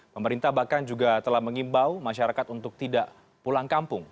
pemerintah bahkan juga telah mengimbau masyarakat untuk tidak pulang kampung